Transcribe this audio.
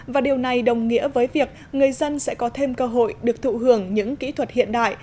và điều này đồng nghĩa với việc người dân sẽ có thêm cơ hội được thụ hưởng những kỹ thuật hiện đại